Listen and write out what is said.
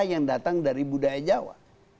yang datang dari budaya jawa